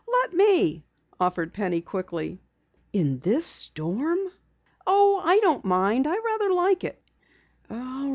"Let me," offered Penny quickly. "In this storm?" "Oh, I don't mind. I rather like it."